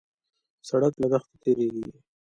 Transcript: سړک له دښتو تېرېږي.